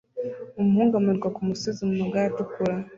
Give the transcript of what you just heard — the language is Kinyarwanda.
Umuhungu amanuka kumusozi mumagare atukura